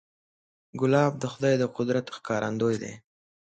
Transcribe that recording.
ګلاب د خدای د قدرت ښکارندوی دی.